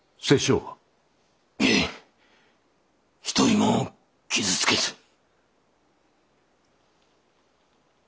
一人も傷つけず。